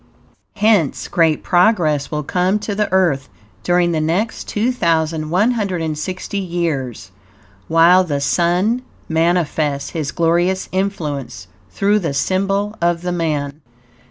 Hence great progress will come to the Earth during the next 2,160 years, while the Sun manifests his glorious influence through the symbol of the Man.